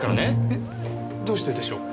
えっどうしてでしょう？